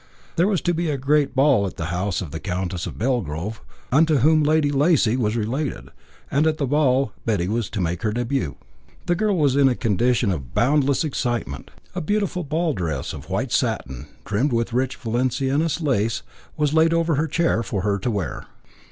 There was to be a great ball at the house of the Countess of Belgrove, unto whom Lady Lacy was related, and at the ball Betty was to make her début. The girl was in a condition of boundless excitement. A beautiful ball dress of white satin, trimmed with rich Valenciennes lace, was laid over her chair for her to wear.